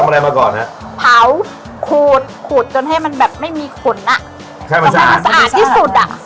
ต้องให้มันสะอาดที่สุด